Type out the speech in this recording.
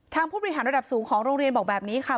ผู้บริหารระดับสูงของโรงเรียนบอกแบบนี้ค่ะ